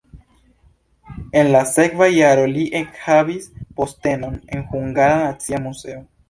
En la sekva jaro li ekhavis postenon en Hungara Nacia Muzeo.